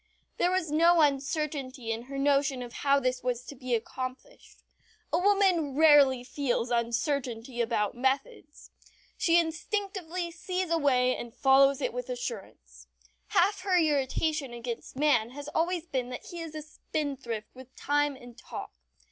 There was no uncertainty in her notion of how this was to be accomplished. A woman rarely feels uncertainty about methods. She instinctively sees a way and follows it with assurance. Half her irritation against man has always been that he is a spendthrift with time and talk.